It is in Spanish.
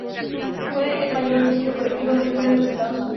Fue el mayor suicidio colectivo de la historia de los Estados Unidos.